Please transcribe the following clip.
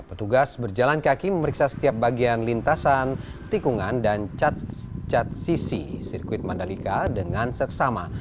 petugas berjalan kaki memeriksa setiap bagian lintasan tikungan dan cat cat sisi sirkuit mandalika dengan seksama